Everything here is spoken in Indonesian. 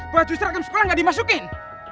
baju seragam sekolah gak dimasukin